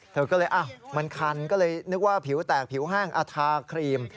เธอก็เลยมันคันก็เลยนึกว่าผิวแตกผิวแห้งอาทาครีม